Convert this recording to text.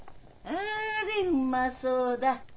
あれうまそうだ！